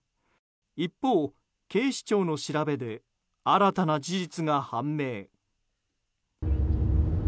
一方、警視庁の調べで新たな事実が判明。